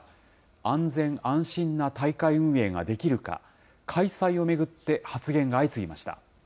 安全安心な大会運営ができるか、開催を巡って発言が相次ぎました。